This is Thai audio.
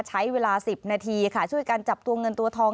ใช้เวลา๑๐นาทีค่ะช่วยกันจับตัวเงินตัวทอง